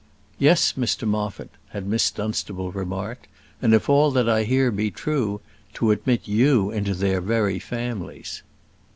"Yes, Mr Moffat," had Miss Dunstable remarked; "and if all that I hear be true, to admit you into their very families."